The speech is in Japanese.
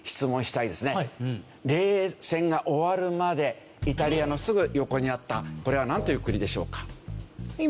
冷戦が終わるまでイタリアのすぐ横にあったこれはなんという国でしょうか？